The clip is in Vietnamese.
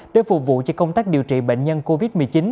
để phục vụ cho công tác điều trị bệnh nhân covid một mươi chín